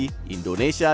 indonesia dan indonesia